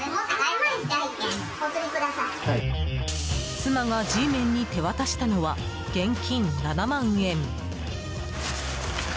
妻がＧメンに手渡したのは現金７万円。